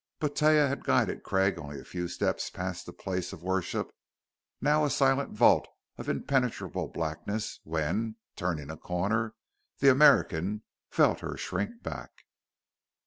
But Taia had guided Craig only a few steps past the place of worship, now a silent vault of impenetrable blackness when, turning a corner, the American felt her shrink back.